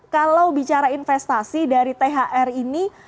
kalau bicara investasi dari thr ini